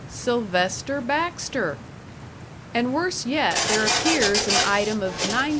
Sylvester Baxter! And worse yet, there appears an item of $938.